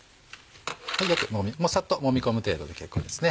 サッともみ込む程度で結構です。